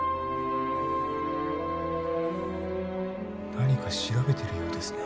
何か調べてるようですね